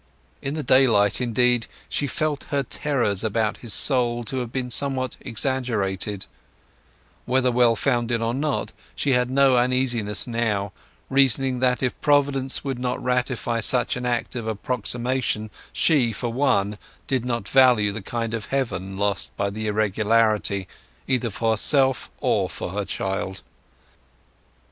In the daylight, indeed, she felt her terrors about his soul to have been somewhat exaggerated; whether well founded or not, she had no uneasiness now, reasoning that if Providence would not ratify such an act of approximation she, for one, did not value the kind of heaven lost by the irregularity—either for herself or for her child.